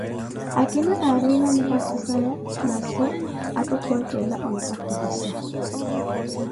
Akina aariina mihakhu zaya, masi, atthu khocela onttakhulisa.